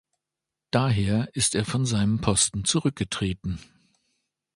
Daher ist er von seinem Posten zurückgetreten.